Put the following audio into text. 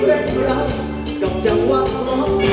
เร่งกรับกับฉวังงลอบ